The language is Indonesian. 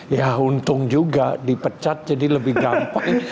ya untung juga dipecat jadi lebih gampang